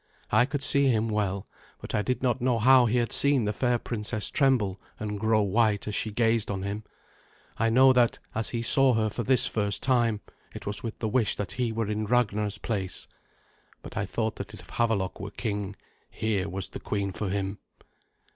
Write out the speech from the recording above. I could see him well, but I did not know how he had seen the fair princess tremble and grow white as she gazed on him. I know that, as he saw her for this first time, it was with the wish that he were in Ragnar's place. But I thought that if Havelok were king, here was the queen for him.